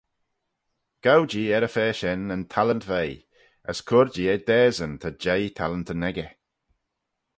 Gow-jee er-y-fa shen yn talent veih, as cur-jee eh dasyn ta jeih talentyn echey.